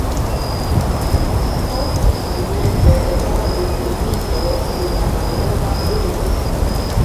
Posttagmeze okazis vizito al la malnova urbo.